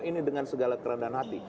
ini dengan segala kerendahan hati